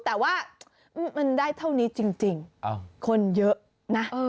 แต่ว่ามันได้เท่านี้จริงคนเยอะนะ